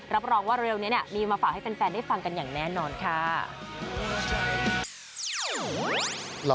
รับรองว่าเร็วนี้มีมาฝากให้แฟนได้ฟังกันอย่างแน่นอนค่ะ